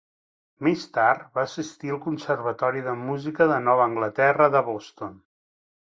Més tard va assistir al Conservatori de Música de Nova Anglaterra de Boston.